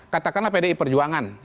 katakanlah pdi perjuangan